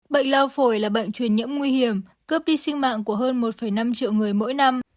bệnh lao phổi là bệnh truyền nhiễm nguy hiểm cướp đi sinh mạng của hơn một năm triệu người mỗi năm